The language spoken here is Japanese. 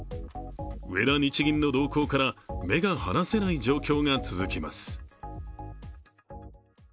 植田日銀の動向から目が離せない状況が続きます。